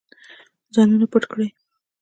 ځانونه پټ کړئ.